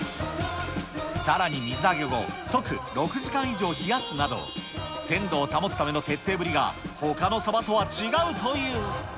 さらに水揚げ後、即６時間以上冷やすなど、鮮度を保つための徹底ぶりが、ほかのサバとは違うという。